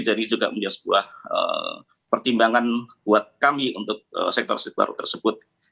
jadi juga punya sebuah pertimbangan buat kami untuk sektor sektor tersebut